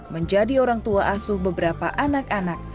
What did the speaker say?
menjadi orang tua asuh beberapa anak anak